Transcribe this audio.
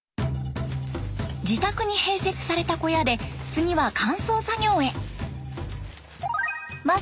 自宅に併設された小屋で次は乾燥作業へ。